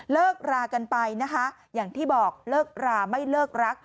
เลิกรากันไปนะคะอย่างที่บอกเลิกราไม่เลิกรัก